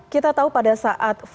kita tahu pada saat verdi sambo